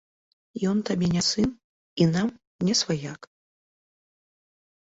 Ён табе не сын і нам не сваяк.